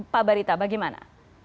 pak barita bagaimana